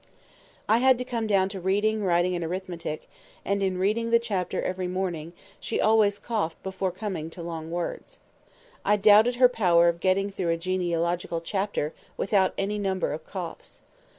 I had to come down to reading, writing, and arithmetic; and, in reading the chapter every morning, she always coughed before coming to long words. I doubted her power of getting through a genealogical chapter, with any number of coughs.